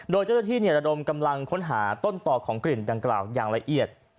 โดยเจ้าหน้าที่ระดมกำลังค้นหาต้นต่อของกลิ่นดังกล่าวอย่างละเอียด